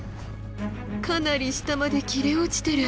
かなり下まで切れ落ちてる。